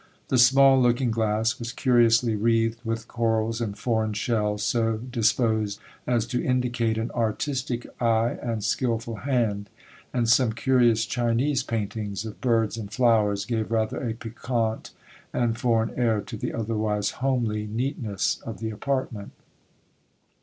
The small looking glass was curiously wreathed with corals and foreign shells, so disposed as to indicate an artistic eye and skilful hand; and some curious Chinese paintings of birds and flowers gave rather a piquant and foreign air to the otherwise homely neatness of the apartment.